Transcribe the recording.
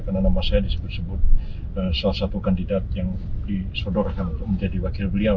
karena nama saya disebut sebut salah satu kandidat yang disodorkan untuk menjadi wakil beliau